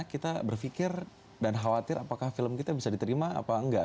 kita berpikir dan khawatir apakah film kita bisa diterima apa enggak